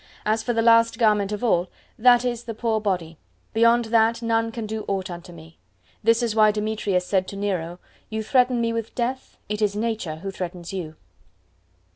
As for the last garment of all, that is the poor body; beyond that, none can do aught unto me. This why Demetrius said to Nero: "You threaten me with death; it is Nature who threatens _you!